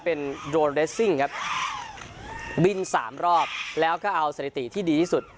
เป็นโรนเรสซิ่งครับบินสามรอบแล้วก็เอาสถิติที่ดีที่สุด